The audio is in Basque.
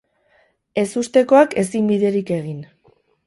Ezustekoak ezin biderik egin.